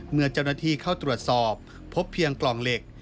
เมื่อเจ้าหน้าที่เข้าตรวจสอบพบเพียงกล่องเหล็ก